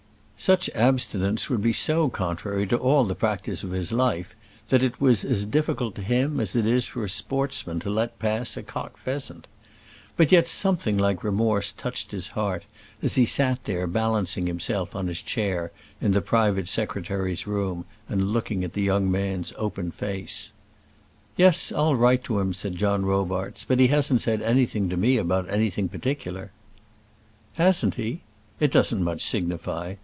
Such abstinence would be so contrary to all the practice of his life that it was as difficult to him as it is for a sportsman to let pass a cock pheasant. But yet something like remorse touched his heart as he sat there balancing himself on his chair in the private secretary's room, and looking at the young man's open face. "Yes; I'll write to him," said John Robarts; "but he hasn't said anything to me about anything particular." "Hasn't he? It does not much signify.